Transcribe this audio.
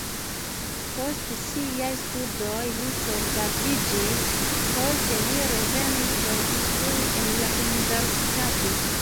Post siaj studoj li soldatiĝis, poste li revenis por instrui en la universitato.